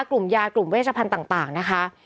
กลุ่มยากลุ่มเวชพันธุ์ต่างนะคะ